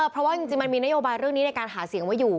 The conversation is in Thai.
เพราะว่าจริงมันมีนโยบายเรื่องนี้ในการหาเสียงไว้อยู่